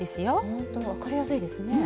ほんと分かりやすいですね。